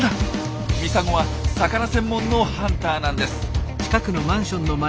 ミサゴは魚専門のハンターなんです。